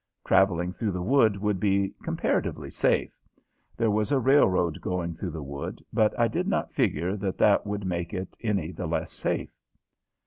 Traveling through the wood would be comparatively safe. There was a railroad going through the wood, but I did not figure that that would make it any the less safe.